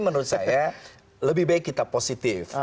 menurut saya lebih baik kita positif